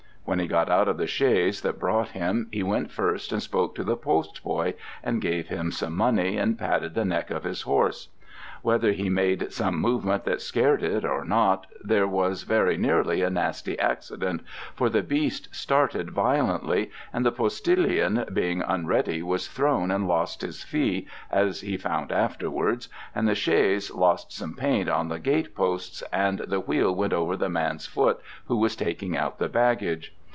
When he got out of the chaise that brought him, he went first and spoke to the postboy and gave him some money, and patted the neck of his horse. Whether he made some movement that scared it or not, there was very nearly a nasty accident, for the beast started violently, and the postilion being unready was thrown and lost his fee, as he found afterwards, and the chaise lost some paint on the gateposts, and the wheel went over the man's foot who was taking out the baggage.